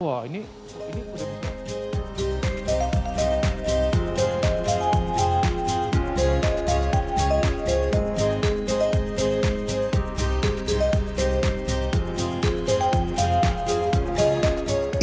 wah ini ini udah